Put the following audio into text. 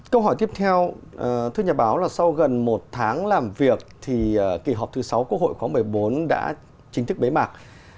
câu hỏi tiếp theo thưa nhà báo là sau gần một tháng làm việc thì kỳ họp thứ sáu quốc hội khóa một mươi bốn đã chính thức bế mạc